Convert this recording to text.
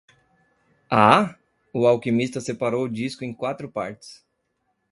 Há? o alquimista separou o disco em quatro partes.